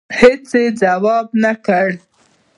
هېچا یې ځواب ونه کړ.